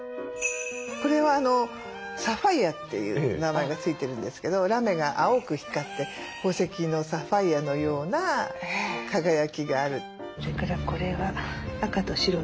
これはサファイアという名前が付いてるんですけどラメが青く光って宝石のサファイアのような輝きがある。